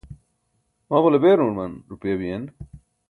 mamale beeruman rupaya biyen?